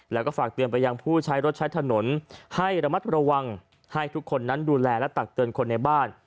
แล้วก็ฝากเตือนไปยังผู้ใช้รถใช้ถนนให้ระมัดระวังให้ทุกคนนั้นดูแลและตักเตือนคนในบ้าน